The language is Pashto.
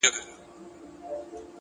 د عمل دوام شخصیت ته شکل ورکوي،